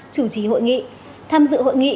chủ trí hội nghị